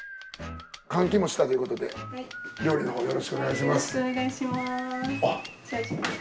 換気もしたということで料理のほうよろしくお願いします。